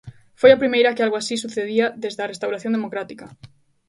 Foi a primeira que algo así sucedía desde a restauración democrática.